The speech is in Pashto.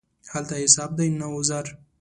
هلته حساب دی، نه عذر.